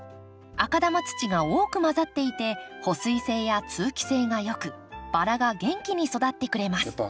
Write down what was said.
赤玉土が多く混ざっていて保水性や通気性が良くバラが元気に育ってくれます